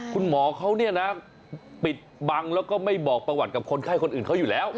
คุณหมอเขาเนี่ยนะปิดบังแล้วก็ไม่บอกประวัติกับคนไข้คนอื่นเขาอยู่แล้ว